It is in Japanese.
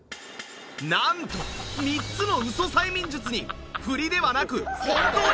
なんと３つのウソ催眠術にフリではなくという事で